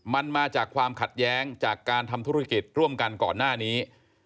มันมาจากความขัดแย้งจากการทำธุรกิจร่วมกันก่อนหน้านี้